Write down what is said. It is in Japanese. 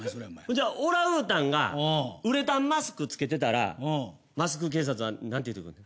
じゃあオランウータンがウレタンマスクつけてたらマスク警察は何て言ってくる？